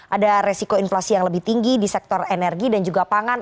ada resiko inflasi yang lebih tinggi di sektor energi dan juga pangan